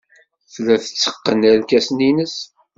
Tella tetteqqen irkasen-nnes.